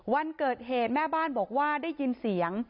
วันเกิดเหตุแม่บ้านบอกว่าได้ยินเสียง